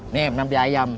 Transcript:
nih menambah ayam